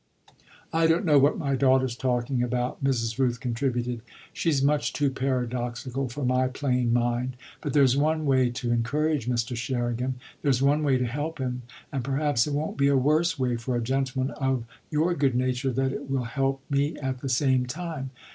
"I don't know what my daughter's talking about," Mrs. Rooth contributed "she's much too paradoxical for my plain mind. But there's one way to encourage Mr. Sherringham there's one way to help him; and perhaps it won't be a worse way for a gentleman of your good nature that it will help me at the same time.